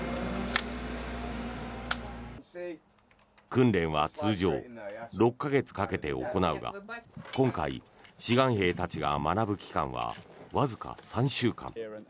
訓練は通常６か月かけて行うが今回、志願兵たちが学ぶ期間はわずか３週間。